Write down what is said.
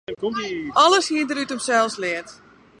Alles hie er út himsels leard.